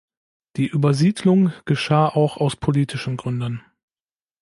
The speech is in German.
Die Übersiedlung geschah auch aus politischen Gründen.